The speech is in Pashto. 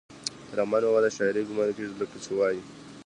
د رحمان بابا د شاعرۍ ګمان کيږي لکه چې وائي: